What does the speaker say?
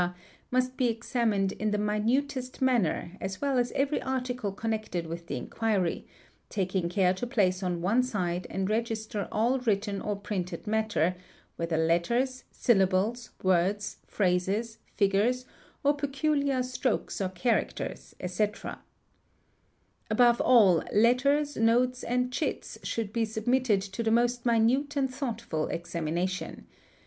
must be examined in the minutest manner as well as every article connected with the inquiry, taking care to place on one side and register all written or printed matter, whether letters, syllables, words, phrases, figures, or peculiar strokes or characters, et Above all letters, notes, and chits, should be submitted to the most minut and thoughtful examination.